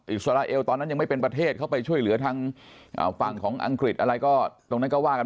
อิสราเอลตอนนั้นยังไม่เป็นประเทศเข้าไปช่วยเหลือทางฝั่งของอังกฤษอะไรก็ตรงนั้นก็ว่ากัน